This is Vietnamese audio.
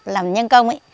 làm nhân công ấy